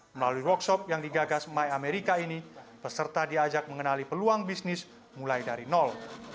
melalui workshop yang digagas my america ini peserta diajak mengenali peluang bisnis mulai dari nol